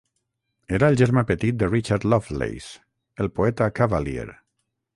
Era el germà petit de Richard Lovelace, el poeta Cavalier.